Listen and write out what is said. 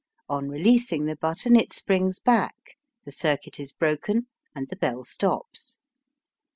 On releasing the button it springs back, the circuit is broken, and the bell stops.